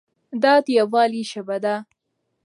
دا د یووالي ژبه ده.